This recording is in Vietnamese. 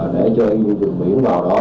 để cho những người mỹ cũng bảo đó